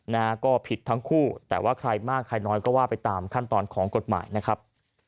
นะฮะก็ผิดทั้งคู่แต่ว่าใครมากใครน้อยก็ว่าไปตามขั้นตอนของกฎหมายนะครับ